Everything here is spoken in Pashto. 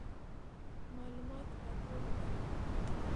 معلومات راټول کړه.